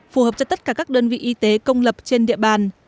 phù hợp cho tất cả các đơn vị y tế công lập trên địa bàn